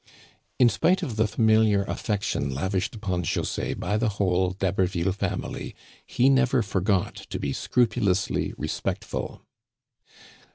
In spite of the familiar affection lavished upon José by the whole D'Haberville family, he never forgot to be scrupulously respectful.